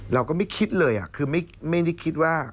เราก็ไม่คิดเลยคือไม่ได้คิดว่า